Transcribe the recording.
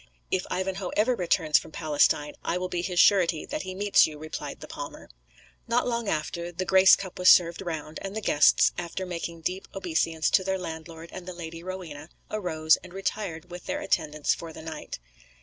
"If Ivanhoe ever returns from Palestine I will be his surety that he meets you," replied the palmer. Not long after, the grace cup was served round, and the guests, after making deep obeisance to their landlord and the Lady Rowena, arose, and retired with their attendants for the night.